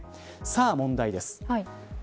さあ、問題です。